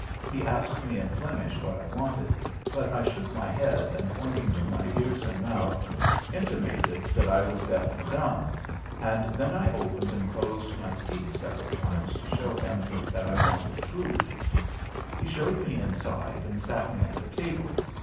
He asked me in Flemish what I wanted, but I shook my head and, pointing to my ears and mouth, intimated that I was deaf and dumb, and then I opened and closed my teeth several times to show him that I wanted food. He showed me inside and sat me at the table.